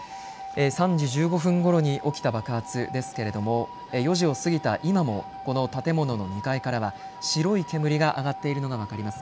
３時１５分ごろに起きた爆発ですけれども４時を過ぎた今もこの建物の２階からは白い煙が上がっているのが分かります。